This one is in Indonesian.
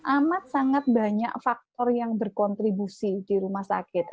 amat sangat banyak faktor yang berkontribusi di rumah sakit